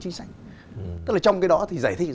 chính sách tức là trong cái đó thì giải thích